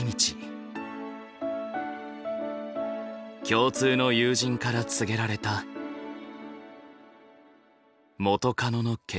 共通の友人から告げられた元カノの結婚。